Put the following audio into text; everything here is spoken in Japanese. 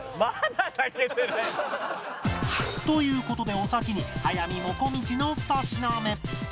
という事でお先に速水もこみちの２品目